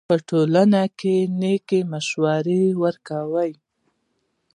په ټولنه کښي نېکي مشورې ورکوئ!